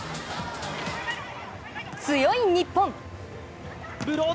強い日本！